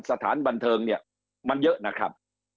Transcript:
สถานบันเทิงเนี่ยมันเยอะนะครับ